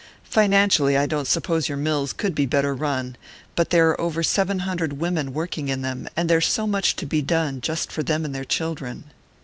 Financially, I don't suppose your mills could be better run; but there are over seven hundred women working in them, and there's so much to be done, just for them and their children."